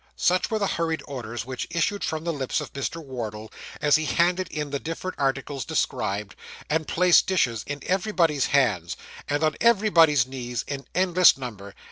Such were the hurried orders which issued from the lips of Mr. Wardle, as he handed in the different articles described, and placed dishes in everybody's hands, and on everybody's knees, in endless number.